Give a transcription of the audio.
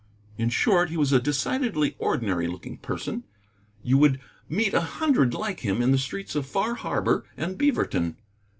In short, he was a decidedly ordinary looking person; you would meet a hundred like him in the streets of Far Harbor and Beaverton.